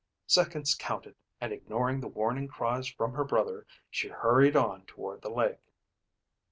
Seconds counted and ignoring the warning cries from her brother, she hurried on toward the lake.